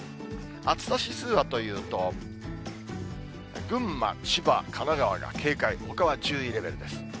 暑さ指数はというと、群馬、千葉、神奈川が警戒、ほかは注意レベルです。